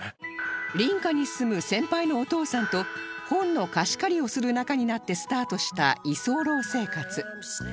隣家に住む先輩のお父さんと本の貸し借りをする仲になってスタートした居候生活